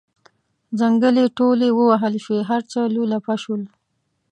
ځنګلې ټولې ووهل شوې هر څه لولپه شول.